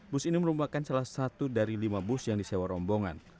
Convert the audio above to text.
bus ini merupakan salah satu dari lima bus yang disewa rombongan